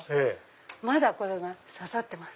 まだこれが刺さってます。